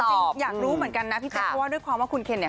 จริงอยากรู้เหมือนกันนะพี่แจ๊คเพราะว่าด้วยความว่าคุณเคนเนี่ย